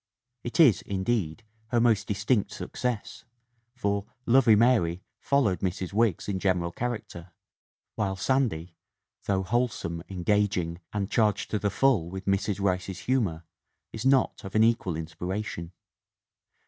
"It is, indeed, her most distinct success, for Lovey 'Mary followed Mrs. Wiggs in general character, while Sandy, though wholesome, engaging, and charged to the full with Mrs. Rice's humor, is not of an equal inspiration.